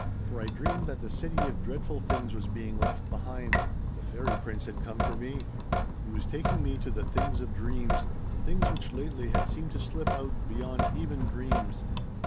"For I dreamed that the city of dreadful things was being left behind. The fairy prince had come for me. He was taking me to the things of dreams, things which lately had seemed to slip out beyond even dreams.